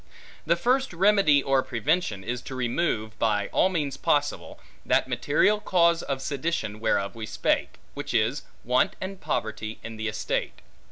The first remedy or prevention is to remove, by all means possible, that material cause of sedition whereof we spake; which is, want and poverty in the estate.